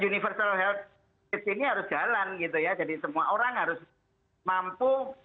jadi semua orang harus mampu